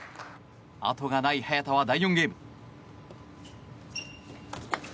後がない早田は第４ゲーム。